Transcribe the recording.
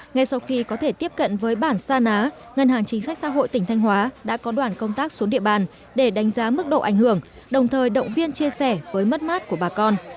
ngay sau khi có thể tiếp cận với bản sa ná ngân hàng chính sách xã hội tỉnh thanh hóa đã có đoàn công tác xuống địa bàn để đánh giá mức độ ảnh hưởng đồng thời động viên chia sẻ với mất mát của bà con